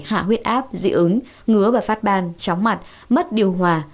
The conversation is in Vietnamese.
hạ huyết áp dị ứng ngứa và phát ban chóng mặt mất điều hòa